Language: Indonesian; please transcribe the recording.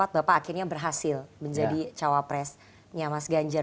dua ribu dua puluh empat bapak akhirnya berhasil menjadi cawapresnya mas ganjar